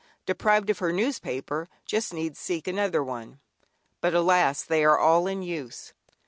deprived of her newspaper must needs seek another one, but alas? they are all in use.